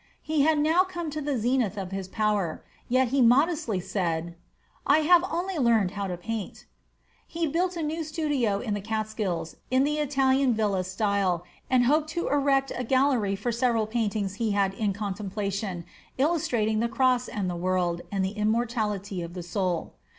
He had now come to the zenith of his power, yet he modestly said, "I have only learned how to paint." He built a new studio in the Catskills, in the Italian villa style, and hoped to erect a gallery for several paintings he had in contemplation, illustrating the cross and the world, and the immortality of the soul.